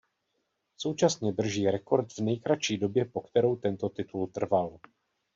Současně drží "rekord" v nejkratší době po kterou tento titul trval.